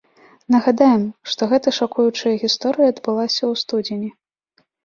Нагадаем, што гэтая шакуючая гісторыя адбылася ў студзені.